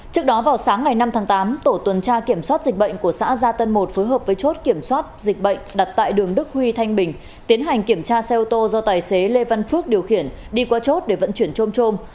trước đó vào sáng ngày năm tháng tám tổ tuần tra kiểm soát dịch bệnh của xã gia tân một phối hợp với chốt kiểm soát dịch bệnh đặt tại đường đức huy thanh bình tiến hành kiểm tra xe ô tô do tài xế lê văn phước điều khiển đi qua chốt để vận chuyển trôm trôm